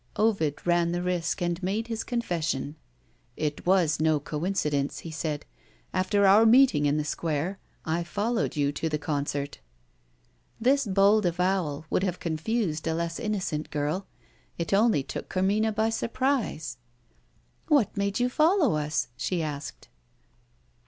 Ovid ran the risk, and made his confession. "It was no coincidence," he said. "After our meeting in the Square I followed you to the concert." This bold avowal would have confused a less innocent girl. It only took Carmina by surprise. "What made you follow us?" she asked.